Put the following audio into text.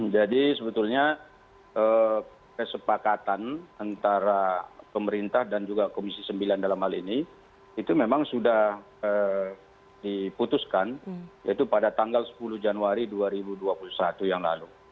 jadi sebetulnya kesepakatan antara pemerintah dan juga komisi sembilan dalam hal ini itu memang sudah diputuskan yaitu pada tanggal sepuluh januari dua ribu dua puluh satu yang lalu